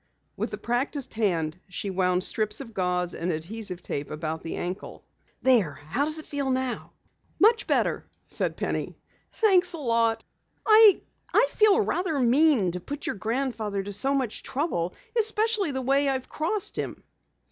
With a practiced hand she wound strips of gauze and adhesive tape about the ankle. "There, how does it feel now?" "Much better," said Penny. "Thanks a lot. I I feel rather mean to put your grandfather to so much trouble, especially after the way I've crossed him."